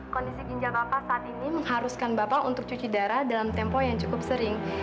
kondisi ginjal kakak saat ini mengharuskan bapak untuk cuci darah dalam tempo yang cukup sering